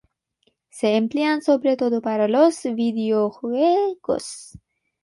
Se emplean sobre todo para los videojuegos.